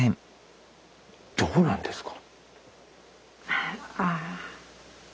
どこなんですか？